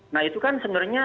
nah itu kan sebenarnya